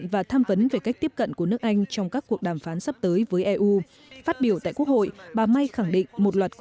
vừa lên tiếng cảnh báo